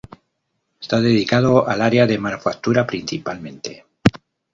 Está dedicado al área de Manufactura principalmente.